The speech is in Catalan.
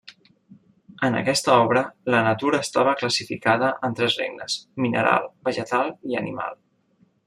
En aquesta obra, la natura estava classificada en tres regnes: mineral, vegetal i animal.